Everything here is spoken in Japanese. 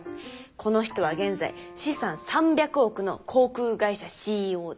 この人は現在資産３００億の航空会社ＣＥＯです。